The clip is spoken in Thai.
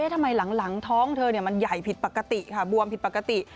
หลังท้องเธอมันใหญ่ผิดปกติค่ะบวมผิดปกติ